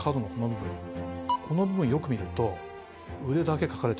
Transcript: この部分よく見ると。